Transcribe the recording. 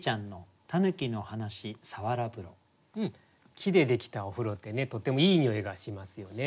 木でできたお風呂ってねとてもいいにおいがしますよね。